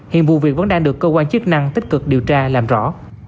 hiện vụ việc vẫn đang được cơ quan chức năng tích cực điều tra làm rõ